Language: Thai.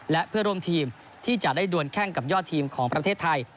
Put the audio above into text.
และเพื่อร่วมทีมที่จะได้ดวนแข้งกับยอดทีมของประเทศไทย